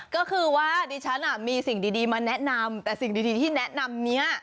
ก็คือว่าดิฉันมีสิ่งดีมาแนะนำแต่สิ่งดีที่แนะนำนี้